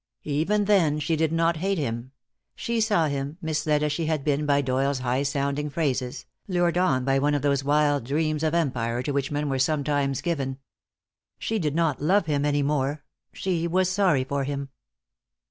Even then she did not hate him; she saw him, misled as she had been by Doyle's high sounding phrases, lured on by one of those wild dreams of empire to which men were sometimes given. She did not love him any more; she was sorry for him.